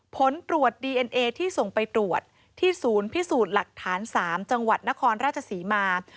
ผลตรวจดีเอ็นเอที่ส่งไปตรวจที่ศูนย์พิสูจน์หลักฐาน๓จังหวัดนครราชศรีมา